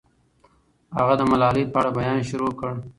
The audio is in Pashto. هغه د ملالۍ په اړه بیان شروع کړ.